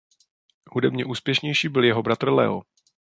Hudebně úspěšnější byl jeho bratr Leo.